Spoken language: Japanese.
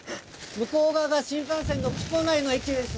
向こう側が新幹線の木古内の駅です。